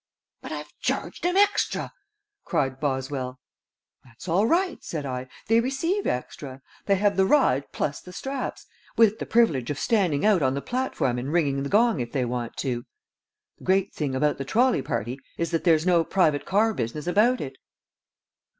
"But I've charged 'em extra!" cried Boswell. "That's all right," said I, "they receive extra. They have the ride plus the straps, with the privilege of standing out on the platform and ringing the gong if they want to. The great thing about the trolley party is that there's no private car business about it."